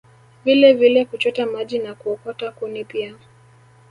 Vilevile kuchota maji na kuokota kuni pia